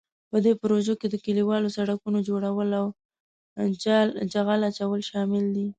په دې پروژو کې د کلیوالي سړکونو جوړول او جغل اچول شامل دي.